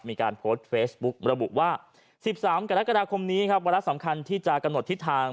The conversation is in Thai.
มีการโพสต์เฟซบุ๊กระบุว่า๑๓กรกฎาคมนี้ครับวาระสำคัญที่จะกำหนดทิศทาง